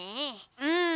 うん。